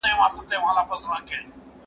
مینه او محبت دی.